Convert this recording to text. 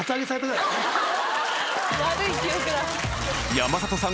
［山里さん。